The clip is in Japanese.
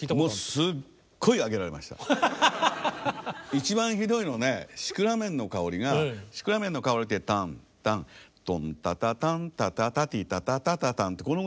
一番ひどいのはね「シクラメンのかほり」が「シクラメンのかほり」ってタンタントンタタタンタタタティタタタタタンってこのくらいなんですよ。